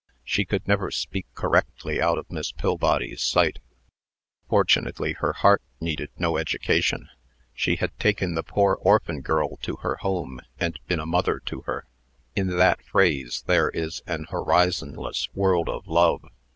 She could never speak correctly out of Miss Pillbody's sight. Fortunately, her heart needed no education. She had taken the poor orphan girl to her home, and been a mother to her. In that phrase there is an horizonless world of love.